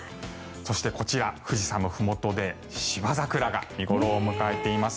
そして、こちら富士山のふもとでシバザクラが見頃を迎えています。